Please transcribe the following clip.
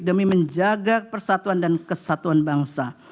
demi menjaga persatuan dan kesatuan bangsa